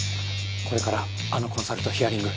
これからあのコンサルとヒアリング？